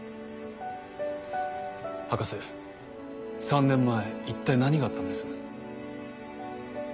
博士３年前一体何があったんです？